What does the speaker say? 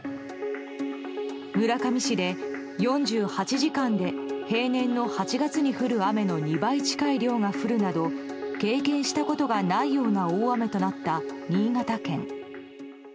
村上市で４８時間で平年の８月に降る雨の２倍近い量が降るなど経験したことがないような大雨となった新潟県。